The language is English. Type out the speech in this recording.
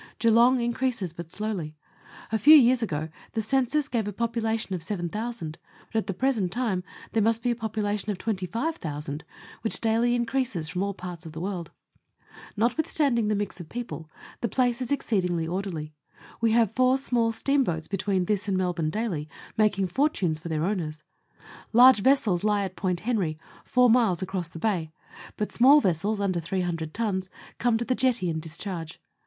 Geelong increases but slowly. A few years ago the census gave a popula tion of seven thousand, but at the present time there must be a population of twenty five thousand, which daily increases from all parts of the world. Notwithstanding the mixture of people, the Letters from Victorian Pioneers. 129 place is exceedingly orderly. We have four small steamboats be tween this and Melbourne daily, making fortunes for their owners; large vessels lie at Point Henry, four miles across the bay; but small vessels, under 300 tons, come to the jetty and discharge.